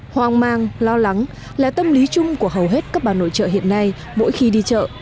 hoang mang lo lắng là tâm lý chung của hầu hết các bà nội trợ hiện nay mỗi khi đi chợ